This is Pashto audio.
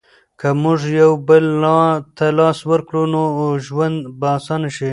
که موږ یو بل ته لاس ورکړو نو ژوند به اسانه شي.